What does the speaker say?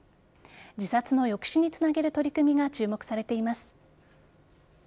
自殺の抑止につなげる取り組みが注目されています。